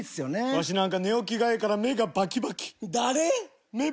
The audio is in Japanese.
ワシなんか寝起きがええから目がバキバキ誰ぇ！